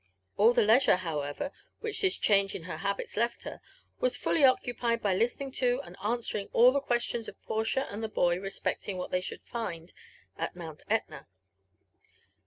All the leisure, however, which this change in her habits left her, was fuljy occupied by listening to and answering all the questions of Portia and the boy respecting what they should find a( Mount Etna.